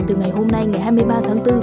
từ ngày hôm nay ngày hai mươi ba tháng bốn